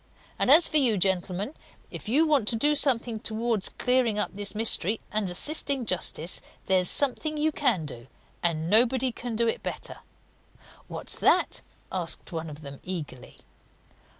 And as for you, gentlemen, if you want to do something towards clearing up this mystery, and assisting justice, there's something you can do and nobody can do it better." "What's that?" asked one of them eagerly.